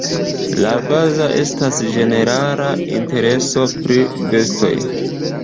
La baza estas ĝenerala intereso pri bestoj.